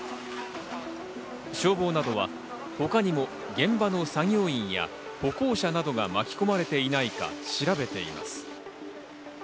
消防などは他にも現場の作業員や歩行者などが巻き込まれていないか調べています。